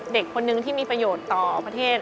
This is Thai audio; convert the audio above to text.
เด็กคนนึงที่มีประโยชน์ต่อประเทศ